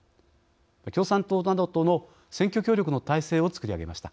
共産党などとの選挙協力の体制をつくり上げました。